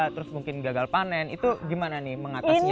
terus mungkin gagal panen itu gimana nih mengatasinya